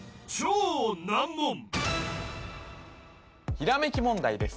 ひらめき問題です